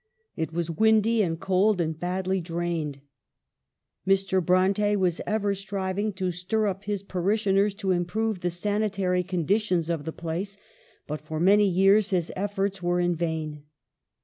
It was windy and cold, and badly drained. Mr. Bronte was ever striving to stir up his parishioners to improve the sanitary conditions of the place ; but for many years his efforts were in vain.